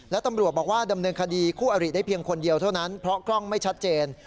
และตำรวจบอกว่าดำเนินคดีคู่อริได้เพียงคนเดียวเท่านั้นเพราะกล้องไม่ชัดเจน